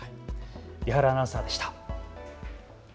伊原アナウンサーでした。